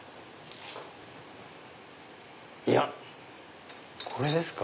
いやこれですか。